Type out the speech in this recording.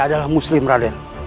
adalah muslim radit